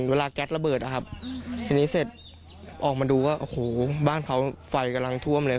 เวลาแก๊สระเบิดทีนี้เสร็จออกมาดูบ้านเขาไฟกำลังท่วมเลย